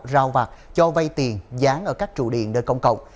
rao vạc cho vay tiền gián ở các trụ điện nơi công cộng